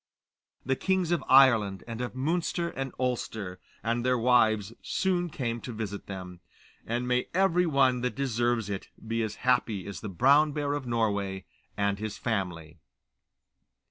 The kings of Ireland and of Munster and Ulster, and their wives, soon came to visit them, and may every one that deserves it be as happy as the Brown Bear of Norway and his family.